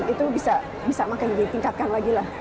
itu bisa makin ditingkatkan lagi lah